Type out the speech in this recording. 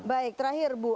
baik terakhir bu